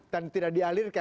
dan tidak dialir